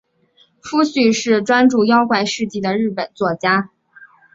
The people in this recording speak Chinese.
夫婿是专注妖怪事迹的日本作家。